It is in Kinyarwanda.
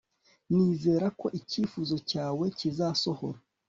nizere ko icyifuzo cyawe kizasohora